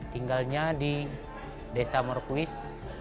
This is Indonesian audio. tinggalnya di desa murakuis